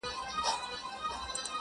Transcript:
هغه ورځ چي نه لېوه نه قصابان وي!